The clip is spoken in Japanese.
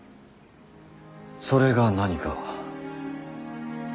それが何か。